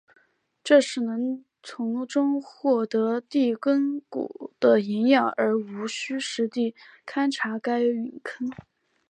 这使得能从其中获得第谷坑的岩样而无需实地勘查该陨坑。